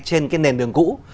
trên cái nền đường cũ